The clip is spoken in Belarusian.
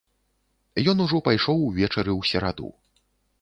Ён ужо пайшоў увечары ў сераду.